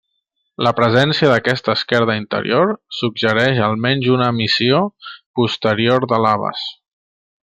La presència d'aquesta esquerda interior suggereix almenys una emissió posterior de laves.